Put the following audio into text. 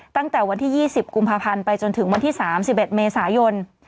ตั้งแต่วันที่๒๐กุมภาพันธ์ไปจนถึงวันที่๓๑เมษายน